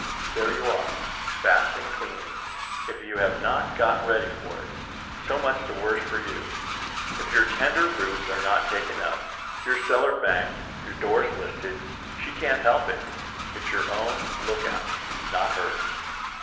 There you are fast and cleanly. If you have not got ready for it, so much the worse for you! If your tender roots are not taken up, your cellar banked, your doors listed, she can't help it: it's your own lookout, not hers.